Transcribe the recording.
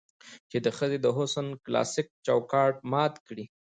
چې د ښځې د حسن کلاسيک چوکاټ مات کړي